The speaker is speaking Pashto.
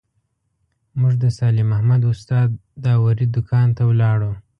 موږ د صالح محمد استاد داوري دوکان ته ولاړو.